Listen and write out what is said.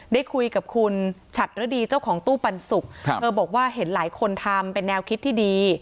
ได้คุยกับคุณฉัดฤดีเจ้าของตู้ปันสุกเธอบอกว่าเห็นหลายคนทำเป็นแนวคิดที่ดี